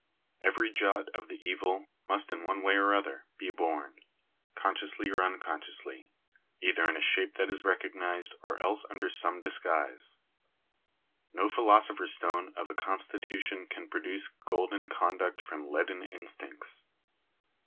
Every jot of the evil must in one way or other be borne — consciously or unconsciously ; either in a shape that is recognised, or else under some disguise. No philosophers stone of a constitution can produce golden conduct from leaden instincts.